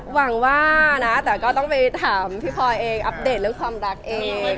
หวังว่านะแต่ก็ต้องไปถามพี่พลอยเองอัปเดตเรื่องความรักเอง